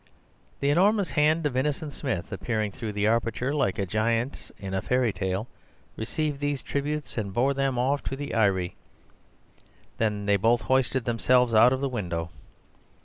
The enormous hand of Innocent Smith appearing through the aperture, like a giant's in a fairy tale, received these tributes and bore them off to the eyrie; then they both hoisted themselves out of the window.